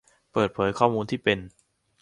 เปิดเผยข้อมูลที่เป็น